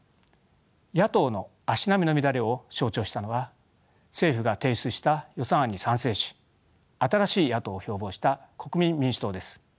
野党の足並みの乱れを象徴したのは政府が提出した予算案に賛成し新しい野党を標榜した国民民主党です。